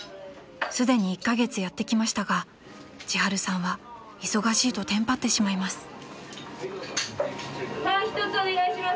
［すでに１カ月やってきましたが千春さんは忙しいとテンパってしまいます］